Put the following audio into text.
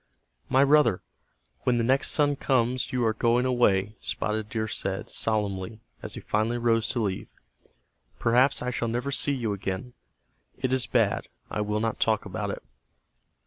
"My brother, when the next sun comes you are going away," Spotted Deer said, solemnly, as he finally rose to leave. "Perhaps I shall never see you again. It is bad. I will not talk about it."